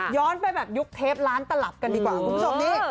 ไปแบบยุคเทปร้านตลับกันดีกว่าคุณผู้ชมนี่